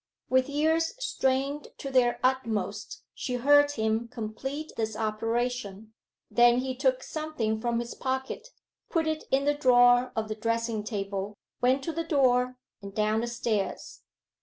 With ears strained to their utmost she heard him complete this operation; then he took something from his pocket, put it in the drawer of the dressing table, went to the door, and down the stairs.